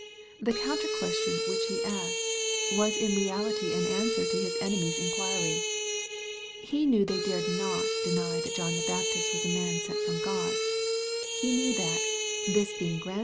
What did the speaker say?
The counter question which He asked, was in reality acu^nswer to His enemies' inquiry. ^^Ge knew they dared not deny that John the Baptist w*p a man sent from God. He knew that, this being grF.